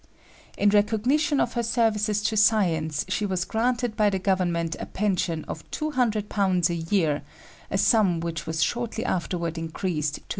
In recognition of her services to science she was granted by the government a pension of £200 a year a sum which was shortly afterward increased to £300.